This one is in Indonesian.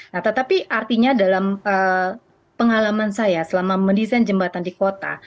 nah tetapi artinya dalam pengalaman saya selama mendesain jembatan di kota